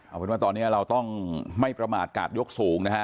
เอาเป็นว่าตอนนี้เราต้องไม่ประมาทกาดยกสูงนะฮะ